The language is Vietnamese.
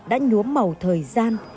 đã nhuốm màu thời gian